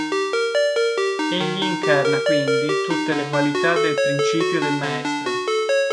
Egli incarna quindi tutte le qualità del principio del maestro.